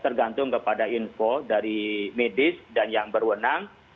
tergantung kepada info dari medis dan yang berwenang